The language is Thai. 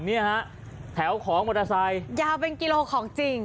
ตรงนี้แถวของมทราสาหรรยาวเป็นกิโลของจริง